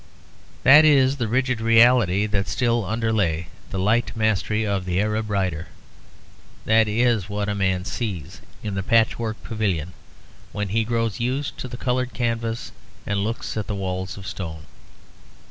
That is the rigid reality that still underlay the light mastery of the Arab rider; that is what a man sees, in the patchwork pavilion, when he grows used to the coloured canvas and looks at the walls of stone.